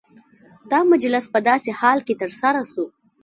دا مجلس په داسي حال کي ترسره سو،